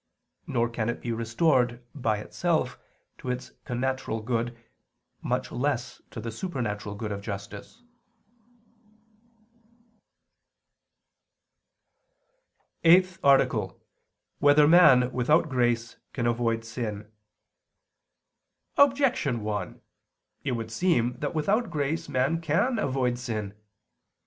85); nor can it be restored, by itself, to its connatural good, much less to the supernatural good of justice. ________________________ EIGHTH ARTICLE [I II, Q. 109, Art. 8] Whether Man Without Grace Can Avoid Sin? Objection 1: It would seem that without grace man can avoid sin.